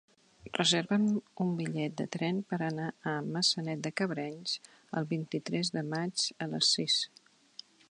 Reserva'm un bitllet de tren per anar a Maçanet de Cabrenys el vint-i-tres de maig a les sis.